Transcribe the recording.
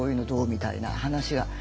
みたいな話がある。